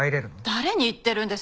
誰に言ってるんです？